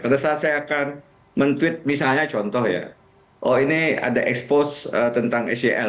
pada saat saya akan men tweet misalnya contoh ya oh ini ada expose tentang sel